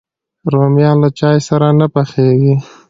رومیان له چای سره نه پخېږي